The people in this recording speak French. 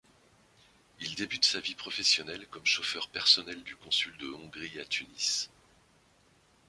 Il débute sa vie professionnelle comme chauffeur personnel du consul de Hongrie à Tunis.